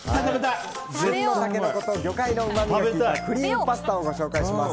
旬のタケノコと魚介のうまみが効いたクリームパスタをご紹介します。